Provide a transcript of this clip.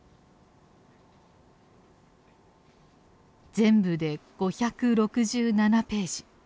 全部で５６７ページ